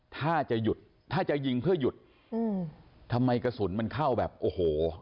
ถ้าจะหยุดถ้าจะยิงเพื่อหยุดอืมทำไมกระสุนมันเข้าแบบโอ้โห